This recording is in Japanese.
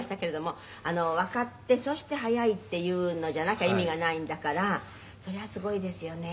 「わかってそして早いっていうのじゃなきゃ意味がないんだからそりゃすごいですよね」